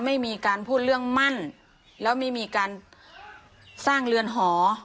ไม่มีการพูดเรื่องมั่นแล้วไม่มีการสร้างเรือนหอ